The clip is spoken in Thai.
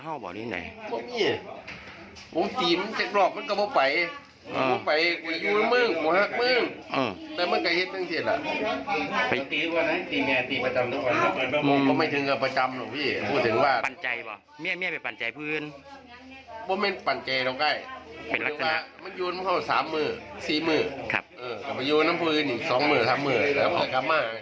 มันยืนเขา๓มือ๔มือมันยืนกับผืน๒มือ๓มือและก็มาก